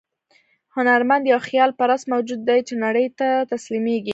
هنرمند یو خیال پرست موجود دی چې نړۍ ته تسلیمېږي.